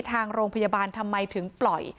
ทางโรงพยาบาลทำไมถึงปล่อย